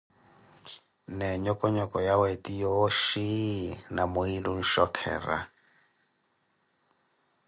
na enhokonhoko yawe eti yooshi na mwiili onshokhera.